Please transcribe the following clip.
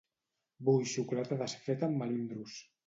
Vull xocolata desfeta amb melindros.